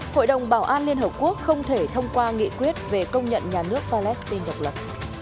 hội đồng bảo an liên hợp quốc không thể thông qua nghị quyết về công nhận nhà nước palestine độc lập